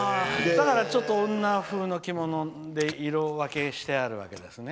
だから、女風の着物で色分けしてあるわけですね。